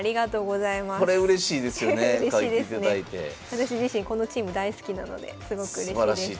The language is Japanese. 私自身このチーム大好きなのですごくうれしいです。